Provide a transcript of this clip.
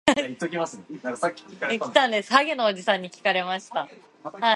When I saw Ann, she was in the process of sorting the flowers.